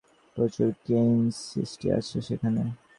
প্রচুর case history আছে সেখানে।